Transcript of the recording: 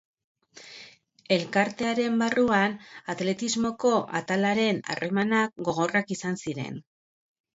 Elkartearen barruan, atletismoko atalaren harremanak gogorrak izan ziren.